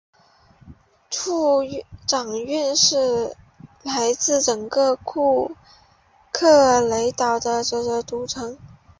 酋长院是来自整个库克群岛所有至高酋长的组成。